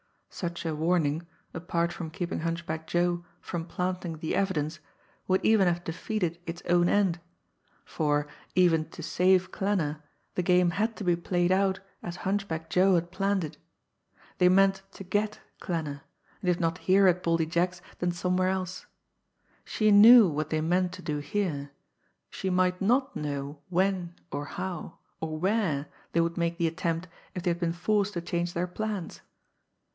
Such a warning, apart from keeping Hunchback Joe from planting the evidence, would even have defeated its own end for, even to save Klanner, the game had to be played out as Hunchback Joe had planned it. They meant to "get" Klanner, and if not here at Baldy Jack's, then somewhere else. She knew what they meant to do here she might not know when, or how, or where they would make the attempt if they had been forced to change their plans.